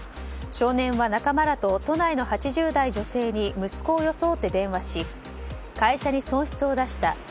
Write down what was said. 少年は仲間らと都内の８０代女性に息子を装って電話し会社に損失を出した。